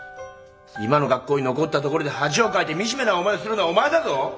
今の学校に残ったところで恥をかいて惨めな思いをするのはお前だぞ！